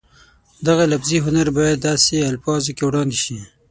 دغه لفظي هنر باید داسې الفاظو کې وړاندې شي